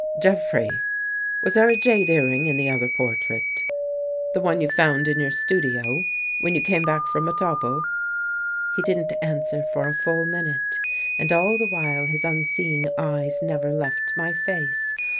" Jeffrey, was there a jade earring in the other por trait — the one you found in your studio when you came back from Etaples? " He didn't answer for a full minute. And all the while his unseeing eyes never left my face.